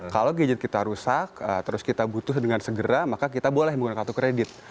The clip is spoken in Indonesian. kalau gadget kita rusak terus kita butuh dengan segera maka kita boleh menggunakan kartu kredit